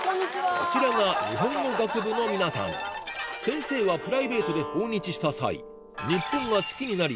こちらが日本語学部の皆さん先生はプライベートで訪日した際なぜなら。